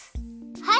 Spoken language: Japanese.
はい！